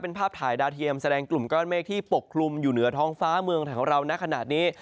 เป็นภาพถ่ายดาวเทียมแสดงกลุ่มก้อนเมฆที่ปกคลุมอยู่เหนือท้องฟ้าเมืองไทยของเรานะขนาดนี้